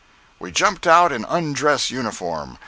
We jumped out in undress uniform.